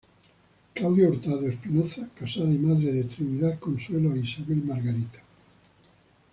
Claudia Hurtado Espinoza, casada y madre de Trinidad, Consuelo e Isabel Margarita.